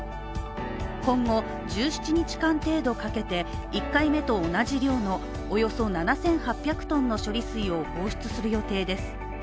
今後、１７日間程度かけて１回目と同じ量のおよそ７８００ｔの処理水を放出する予定です。